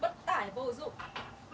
bất tải vô dụng